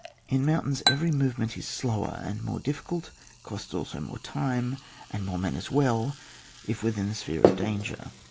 In mountains every movement is slower and more difficult, costs also more time, and more men as well, if within the sphere of danger.